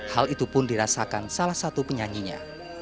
hal itu pun dirasakan salah satu penyanyinya